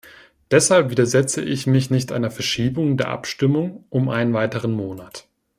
Deshalb widersetze ich mich nicht einer Verschiebung der Abstimmung um einen weiteren Monat.